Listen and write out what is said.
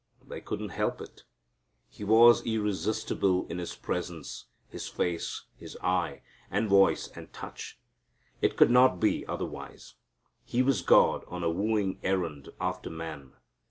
They couldn't help it. He was irresistible in His presence, His face, His eye, and voice and touch. It could not be otherwise. He was God on a wooing errand after man.